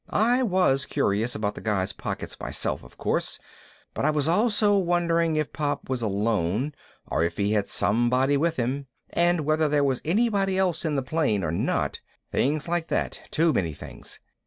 I was curious about the guy's pockets myself, of course, but I was also wondering if Pop was alone or if he had somebody with him, and whether there was anybody else in the plane or not things like that, too many things.